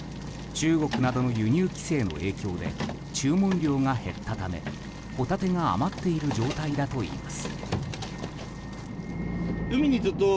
中国などの輸入規制の影響で注文量が減ったためホタテが余っている状態だといいます。